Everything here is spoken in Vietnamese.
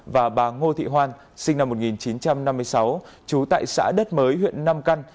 và bà ngô thị hoan sinh năm một nghìn chín trăm năm mươi sáu trú tại xã đất mới huyện nam căn